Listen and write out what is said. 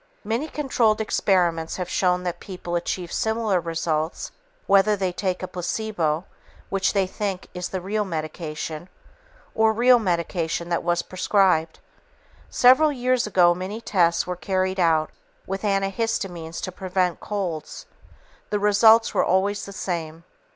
Many controlled experiments have shown that people achieve similar results whether they take a placebo (which they think is the real medication) or real medication that was prescribed. Several years ago many such tests were carried out with antihistamines to prevent colds. The results were always the same.